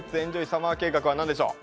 サマー計画」は何でしょう？